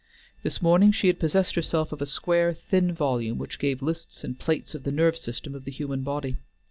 This morning she had possessed herself of a square, thin volume which gave lists and plates of the nerve system of the human body.